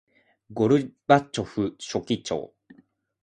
ゴルバチョフ書記長